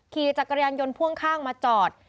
ขี่จักรยานยนต์พ่วงข้างมาจอด